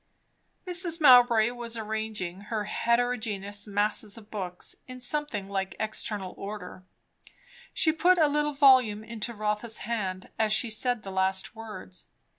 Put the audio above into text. Mrs. Mowbray was arranging her heterogeneous masses of books in something like external order; she put a little volume into Rotha's hand as she said the last words.